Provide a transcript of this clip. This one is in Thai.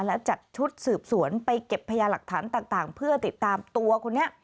และจัดชุดสืบสวนไปเก็บพยาหลักฐานต่างเพื่อติดตามตัวคนนี้